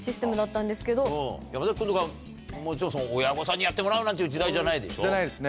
山崎君とかもちろん親御さんにやってもらうなんていう時代じゃないでしょ？じゃないですね。